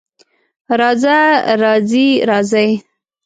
راځه، راځې، راځئ